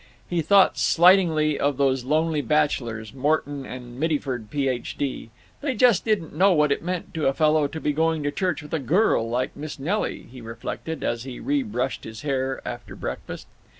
He thought slightingly of those lonely bachelors, Morton and Mittyford, Ph. D. They just didn't know what it meant to a fellow to be going to church with a girl like Miss Nelly, he reflected, as he re brushed his hair after breakfast.